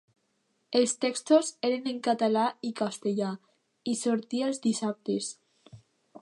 Els textos eren en català i castellà i sortia els dissabtes.